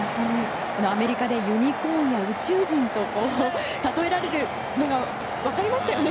アメリカでユニコーンや宇宙人と例えられるのが分かりましたよね。